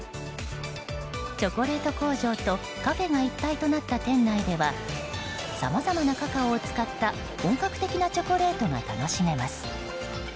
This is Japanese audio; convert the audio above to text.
チョコレート工場とカフェが一体となった店内ではさまざまなカカオを使った本格的なチョコレートが楽しめます。